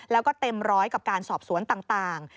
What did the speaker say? แล้วก็เต็มร้อยกับการสอบสวนต่าง